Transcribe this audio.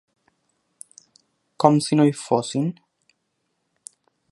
Com si no hi fossin.